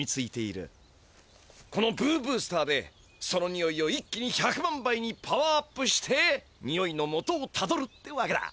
このブーブースターでそのにおいを一気に１００万倍にパワーアップしてにおいのもとをたどるってわけだ。